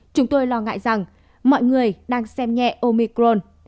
chúng tôi lo ngại rằng mọi người đang xem nhẹ omicron